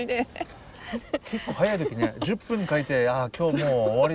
結構早い時ね１０分描いて「ああ今日もう終わりで。